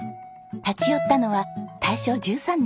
立ち寄ったのは大正１３年創業のお店。